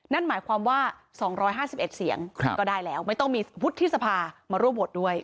นั่นหมายความว่า๒๕๑เสียงก็ได้แล้วไม่ต้องมีวุฒิสภามาร่วมโหวตด้วย